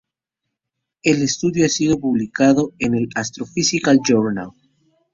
El estudio ha sido publicado en el "Astrophysical Journal".